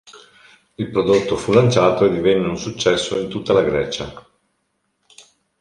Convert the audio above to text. Il prodotto fu lanciato e divenne un successo in tutta la Grecia.